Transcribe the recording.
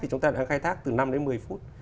thì chúng ta đã khai thác từ năm đến một mươi phút